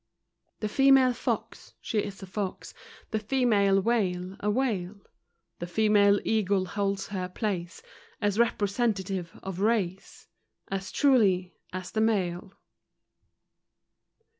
The female fox she is a fox; The female whale a whale; The female eagle holds her place As representative of race As truly as the male.